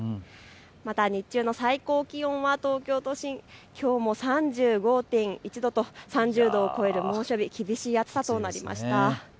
また日中の最高気温は東京都心、きょうも３５．１度と３０度を超える猛暑日、厳しい暑さとなりました。